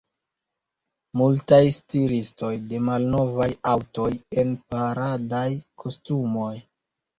Multaj stiristoj de malnovaj aŭtoj en paradaj kostumoj.